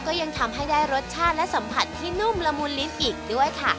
ก็ยังทำให้ได้รสชาติและสัมผัสที่นุ่มละมุนลิ้นอีกด้วยค่ะ